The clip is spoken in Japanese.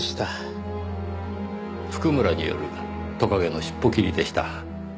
譜久村によるトカゲの尻尾切りでした。